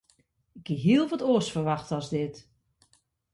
Ik hie hiel wat oars ferwachte as dit.